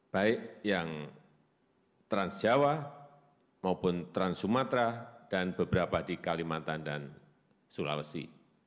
baik yang transjawa maupun trans sumatera dan beberapa di kalimantan dan sulawesi